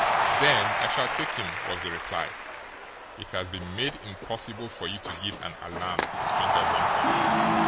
"Then I shall take him," was the reply. "It has been made impossible for you to give an alarm," the stranger went on.